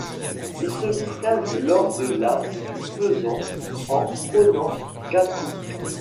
Il se distingue lors de la du Fezzan en prenant Gatroun.